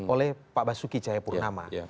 oleh pak basuki cahayapurnama